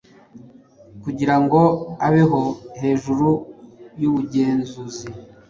Kugira ngo abeho hejuru yubugenzuzi.